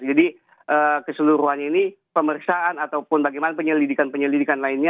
jadi keseluruhan ini pemeriksaan ataupun bagaimana penyelidikan penyelidikan lainnya